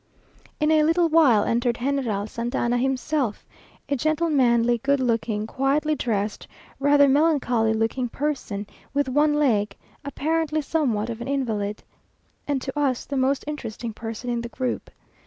In a little while entered General Santa Anna himself; a gentlemanly, good looking, quietly dressed, rather melancholy looking person, with one leg, apparently somewhat of an invalid, and to us the most interesting person in the group.